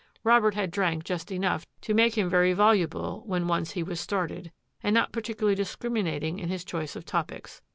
Robert had drank just enough to make him very voluble when once he was started, and not particularly discriminating in his choice of topics.